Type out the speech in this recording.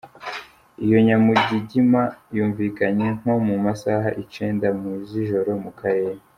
Iyo nyamugigima yumvikanye nko mu masaha icenda mu z'ijoro mu karere.